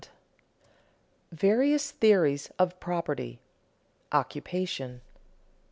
[Sidenote: Various theories of property: Occupation] 2.